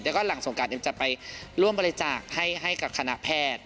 แล้วก็หลังสงการเต็มจะไปร่วมบริจาคให้กับคณะแพทย์